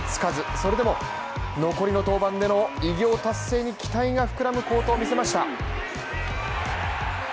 それでも残りの登板での偉業達成に期待が膨らむ好投を見せました。